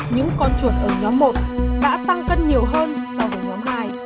những con chuột ở nhóm một đã tăng cân nhiều hơn so với nhóm hai